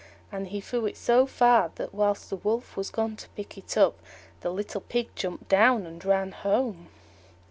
And he threw it so far that, while the Wolf was gone to pick it up, the little Pig jumped down and ran home.